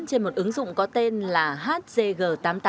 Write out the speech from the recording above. trên một ứng dụng có tên là hzg tám mươi tám